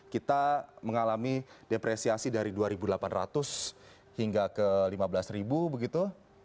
kita mengalami depresiasi dari dua delapan ratus hingga ke lima belas ribu begitu